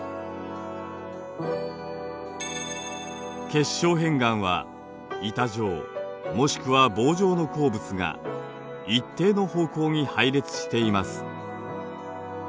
結晶片岩は板状もしくは棒状の鉱物が一定の方向に配列しています。